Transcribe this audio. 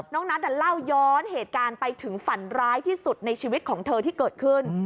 นัทเล่าย้อนเหตุการณ์ไปถึงฝันร้ายที่สุดในชีวิตของเธอที่เกิดขึ้น